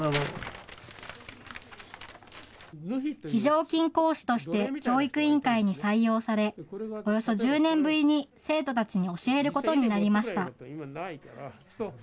非常勤講師として教育委員会に採用され、およそ１０年ぶりに生徒たちに教えることになりました。